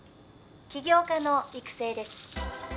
起業家の育成です